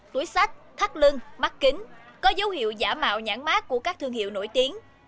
túi sách thắt lưng mắt kính có dấu hiệu giả mạo nhãn mát của các thương hiệu nổi tiếng